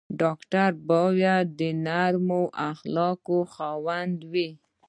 ډاکټر باید د نرمو اخلاقو خاوند وي.